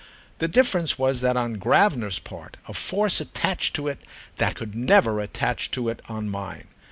The difference was that on Gravener's part a force attached to it that could never attach to it on mine.